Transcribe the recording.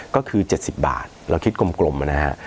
ก็คือ๗๐บาทเราคิดกลมนะฮะ